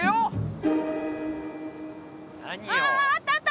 あったあった。